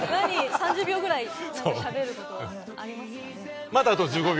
３０秒ぐらい喋ることありますかね？